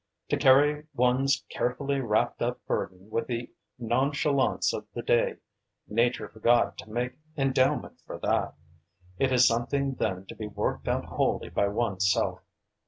To carry one's carefully wrapped up burden with the nonchalance of the day nature forgot to make endowment for that; it is something then to be worked out wholly by one's self.